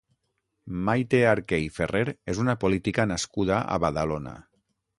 Maite Arqué i Ferrer és una política nascuda a Badalona.